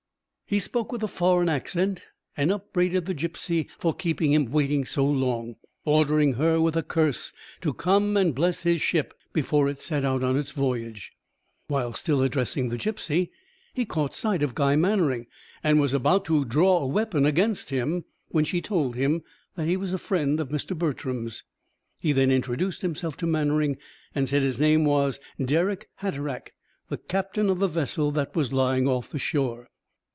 He spoke with a foreign accent, and upbraided the gipsy for keeping him waiting so long, ordering her, with a curse, to come and bless his ship before it set out on its voyage. While still addressing the gipsy, he caught sight of Guy Mannering, and was about to draw a weapon against him, when she told him that he was a friend of Mr. Bertram's. He then introduced himself to Mannering, and said his name was Dirck Hatteraick, the captain of the vessel that was lying off the shore.